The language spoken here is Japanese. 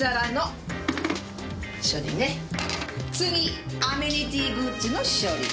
次アメニティーグッズの処理。